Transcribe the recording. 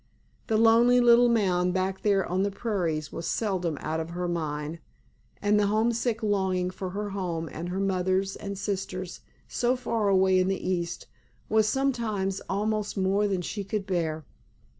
The lonely little mound back there on the prairies was seldom out of her mind, and the homesick longing for her home and her mothers and sisters so far away in the East, was sometimes almost more than she could bear.